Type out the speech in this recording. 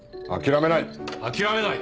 諦めない！